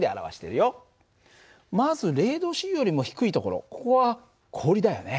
まず０℃よりも低いところここは氷だよね。